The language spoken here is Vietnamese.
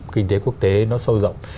kinh tế quốc tế nó sâu rộng